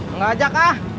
enggak aja kak